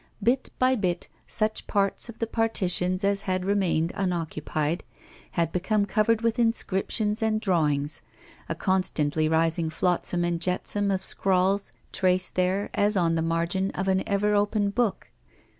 Bit by bit, such parts of the partitions as had remained unoccupied had become covered with inscriptions and drawings, a constantly rising flotsam and jetsam of scrawls traced there as on the margin of an ever open book.